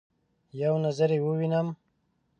یو نظر يې ووینم